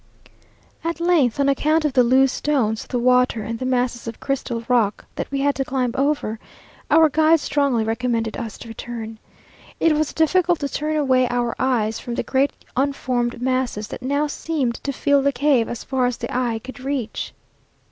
At length, on account of the loose stones, the water, and the masses of crystal rock that we had to climb over, our guides strongly recommended us to return. It was difficult to turn away our eyes from the great unformed masses that now seemed to fill the cave as far as the eye could reach.